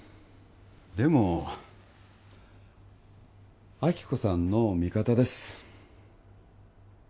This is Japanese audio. でも亜希子さんの味方です